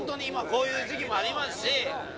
今こういう時期もありますし。